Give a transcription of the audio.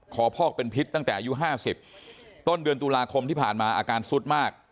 คอพอกเป็นพิษตั้งแต่อายุ๕๐ต้นเดือนตุลาคมที่ผ่านมาอาการสุดมาก